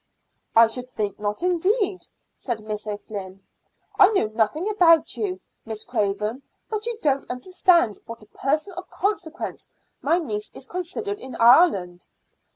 "I should think not indeed," said Miss O'Flynn. "I know nothing about you, Miss Craven, but you don't understand what a person of consequence my niece is considered in Ireland."